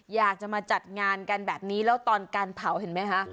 อยากจะมาจัดงานกันแบบนี้แล้วตอนการเผาเห็นไหมคะ